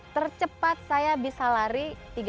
tercepat saya bisa lari tiga belas delapan belas